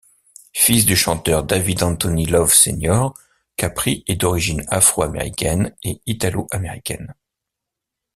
Fils du chanteur David Anthony Love Sr., Capri est d'origine afro-américaine et italo-américaine.